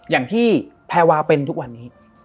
อย่างที่แพรวาเป็นทุกวันนี้